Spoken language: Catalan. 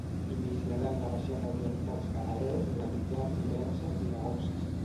Iniciaran la baixada orientats cap a l'est realitzant diverses giragonses.